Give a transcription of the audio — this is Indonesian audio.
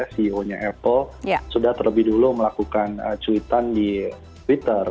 ceo nya apple sudah terlebih dulu melakukan cuitan di twitter